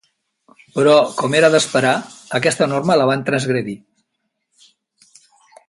Però, com era d'esperar, aquesta norma la van transgredir.